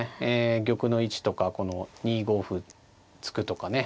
玉の位置とかこの２五歩突くとかね